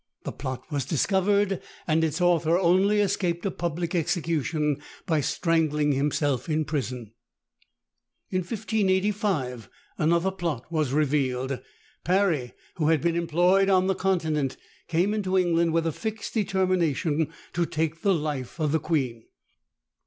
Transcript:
The plot was discovered, and its author only escaped a public execution by strangling himself in prison. In 1585 another plot was revealed. Parry, who had been employed on the Continent, came into England with a fixed determination to take the life of the queen.